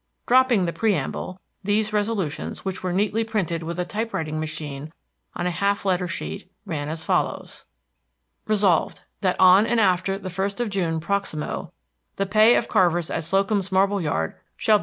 Dropping the preamble, these resolutions, which were neatly printed with a type writing machine on a half letter sheet, ran as follows: Resolved, That on and after the First of June proximo, the pay of carvers in Slocum's Marble Yard shall be $2.